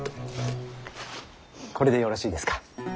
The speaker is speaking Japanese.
これでよろしいですか？